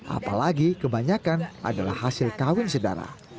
apalagi kebanyakan adalah hasil kawin sedara